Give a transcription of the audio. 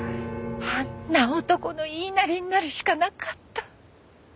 あんな男の言いなりになるしかなかった。